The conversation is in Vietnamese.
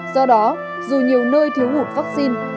do đó dù nhiều nơi thiếu hụt vaccine